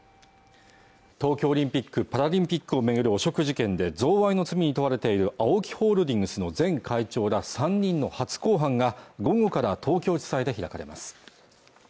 東京オリンピック・パラリンピックを巡る汚職事件で贈賄の罪に問われているＡＯＫＩホールディングスの前会長ら３人の初公判が午後から東京地裁で開かれます